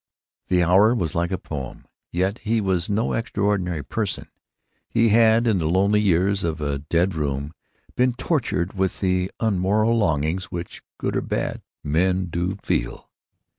The hour was like a poem. Yet he was no extraordinary person; he had, in the lonely hours of a dead room, been tortured with the unmoral longings which, good or bad, men do feel.